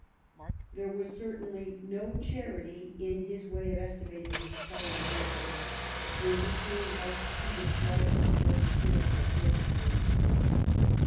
There was certainly no charity in his way of estimating his fellow mortals when he came thus to describe them for satirical pur poses.